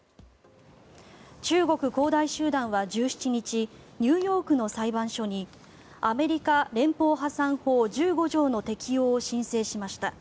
中国・恒大集団は１７日ニューヨークの裁判所にアメリカ連邦破産法１５条の適用を申請しました。